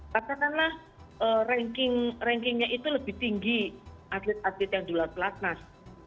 katakanlah ranking rankingnya itu lebih tinggi atlet atlet yang di luar pelatnas